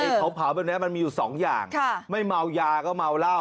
ไอ้เค้าเผามันอยู่๒อย่างไม่เมายาก็เมาเล่า